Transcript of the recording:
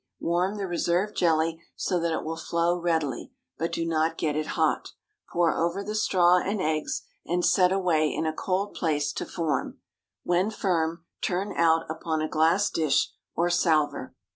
Warm the reserved jelly, so that it will flow readily, but do not get it hot; pour over the straw and eggs, and set away in a cold place to form. When firm, turn out upon a glass dish or salver.